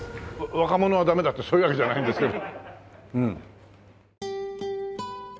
若者はダメだってそういうわけじゃないんですけど。